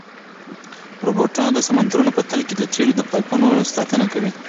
روبوټونه د سمندرونو په تل کې د تېلو د پایپونو ساتنه کوي.